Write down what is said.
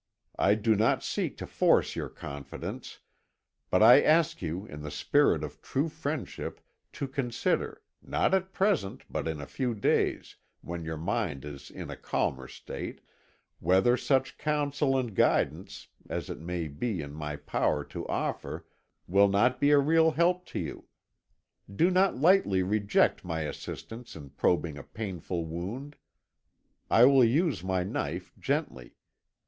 I do not seek to force your confidence, but I ask you in the spirit of true friendship to consider not at present, but in a few days, when your mind is in a calmer state whether such counsel and guidance as it may be in my power to offer will not be a real help to you. Do not lightly reject my assistance in probing a painful wound. I will use my knife gently.